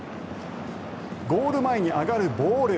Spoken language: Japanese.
ゴール前に上がるボール。